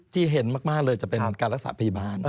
เห็นมากเลยจะเป็นการรักษาพยาบาล